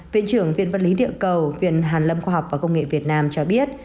viện trưởng viện vật lý địa cầu viện hàn lâm khoa học và công nghệ việt nam cho biết